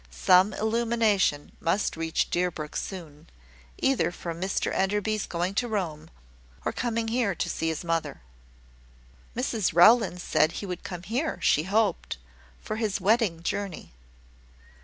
Some illumination must reach Deerbrook soon either from Mr Enderby's going to Rome, or coming here to see his mother." "Mrs Rowland said he would come here, she hoped, for his wedding journey."